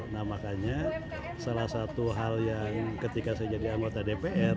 nah makanya salah satu hal yang ketika saya jadi anggota dpr